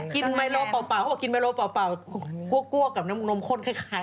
เป็นอย่างไรคะคุณแม่งกินไมโลป่าวกลัวกลัวกับนมข้นคล้ายกัน